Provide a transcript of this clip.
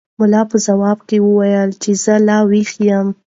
ملا په ځواب کې وویل چې زه لا ویښ یم.